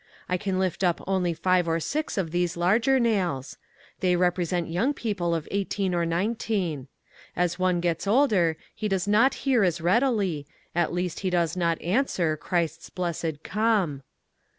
I can lift up only five or six of these larger nails. They represent young people of eighteen or nineteen. As one gets older he does not hear as readily, at least he does not answer, Christ's blessed "Come."